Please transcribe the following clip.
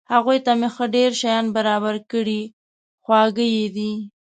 هغوی ته مې ښه ډېر شیان برابر کړي، خواږه یې دي.